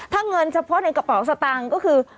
ถ้าเงินเฉพาะในกระเป๋าสตางค์ก็คือ